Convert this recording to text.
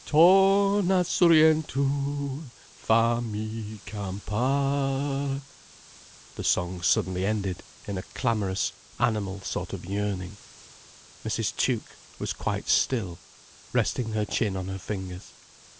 "Torn' a Surrientu Fammi campar—" The song suddenly ended, in a clamorous, animal sort of yearning. Mrs. Tuke was quite still, resting her chin on her fingers.